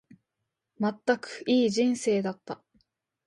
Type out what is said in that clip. まったく、いい人生だった。